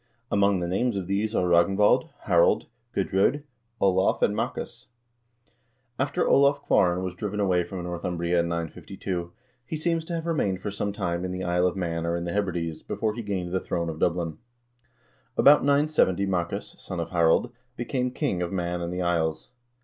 Among the names of these are Ragnvald, Harald, Gudr0d, Olav, and Maccus. After Olav Kvaaran was driven away from Northumbria in 952, he seems to have remained for some time in the Isle of Man or in the Hebrides, before he gained the throne of Dublin. About 970 Maccus, son of Harald, became king of Man and the Isles.